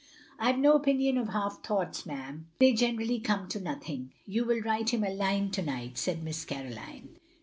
'* I Ve no opinion of half thoughts, ma'am. They generally come to nothing." "You will write him a line to night," said Miss Caroline.